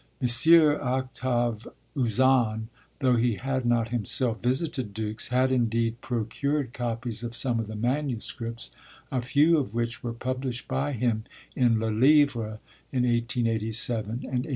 M. Octave Uzanne, though he had not himself visited Dux, had indeed procured copies of some of the manuscripts, a few of which were published by him in Le Livre, in 1887 and 1889.